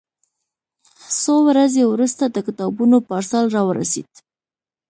څو ورځې وروسته د کتابونو پارسل راورسېد.